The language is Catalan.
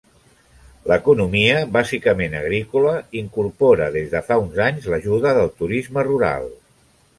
L'economia, bàsicament agrícola, incorpora des de fa uns anys l'ajuda del turisme rural.